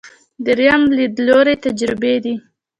درېیم لیدلوری تجربي دی.